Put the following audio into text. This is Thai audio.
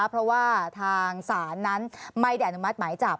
เพราะว่าทางศาลนั้นไม่ได้อนุมัติหมายจับ